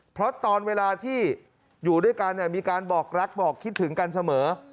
เพราะตอนเวลาที่อยู่ด้วยกันมีการบอกรักบอกคิดถึงกันเสมอ